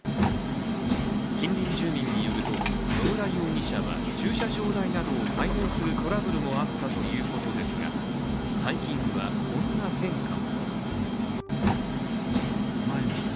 近隣住民によると野村容疑者は駐車場代などを滞納するトラブルがあったということですが最近はこんな変化も。